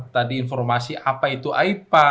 tadi informasi apa itu aipa